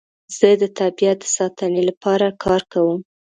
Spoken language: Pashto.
زه د طبیعت د ساتنې لپاره کار کوم.